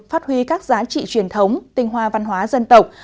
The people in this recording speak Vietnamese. phát huy các giá trị truyền thống tinh hoa văn hóa dân tộc